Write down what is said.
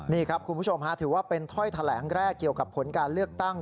นี่ครับคุณผู้ชมถือว่าเป็นถ้อยแถลงแรกเกี่ยวกับผลการเลือกตั้ง